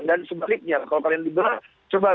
dan sebaliknya kalau kalian liberal coba